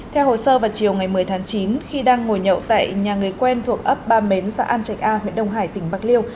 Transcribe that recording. theo hồ sơ vào chiều ngày một mươi tháng chín khi đang ngồi nhậu tại nhà người quen thuộc ấp ba mến xã an trạch a huyện đông hải tỉnh bạc liêu